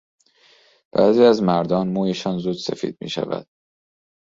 بعضی از مردان مویشان زود سفید میشود.